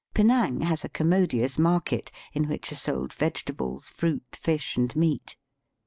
Penang has a commodious market, in which are sold vegetables, fruit, fish, and meat.